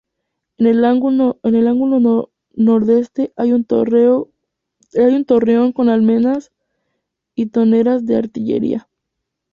En el ángulo nordeste hay un torreón con almenas y troneras de artillería.